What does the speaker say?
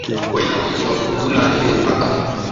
Kuena uya to udi ulala lelu apa.